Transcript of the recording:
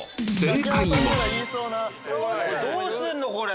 どうすんの⁉これ。